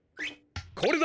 これだ。